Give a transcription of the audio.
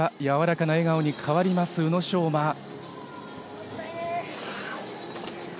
やわらかな笑顔に変わります宇野昌磨。